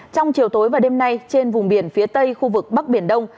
trong chiều tối và đêm nay trên vùng biển phía tây khu vực bắc biển đông